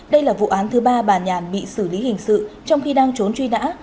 đây là vụ án thứ ba bà nhàn bị xử lý hình sự trong khi đang trốn truy nã